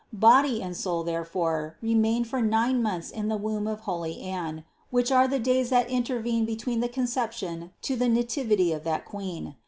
Body and soul, therefore, remained for nine months in the womb of holy Anne, which are the days that intervene between the Conception to the Nativity of that Queen.